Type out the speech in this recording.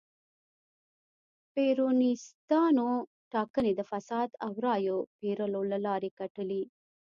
پېرونیستانو ټاکنې د فساد او رایو پېرلو له لارې ګټلې.